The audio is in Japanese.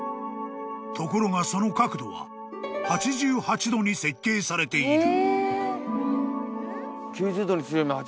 ［ところがその角度は８８度に設計されている］